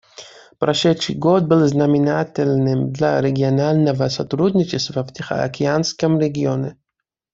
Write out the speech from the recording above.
Прошедший год был знаменательным для регионального сотрудничества в Тихоокеанском регионе.